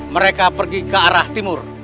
mereka pergi ke arah timur